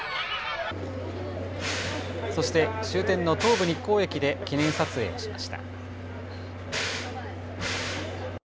そして終点の東武日光駅で記念撮影をしました。